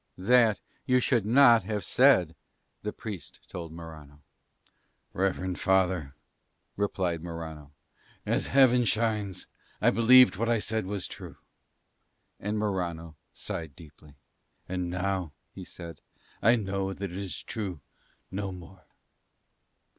"That you should not have said," the Priest told Morano. "Reverend father," replied Morano, "as Heaven shines, I believed that what I said was true." And Morano sighed deeply. "And now," he said, "I know it is true no more."